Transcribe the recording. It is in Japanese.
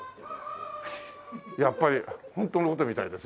やっぱり本当の事みたいですね。